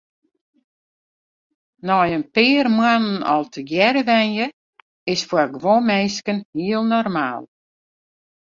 Nei in pear moannen al tegearre wenje is foar guon minsken hiel normaal.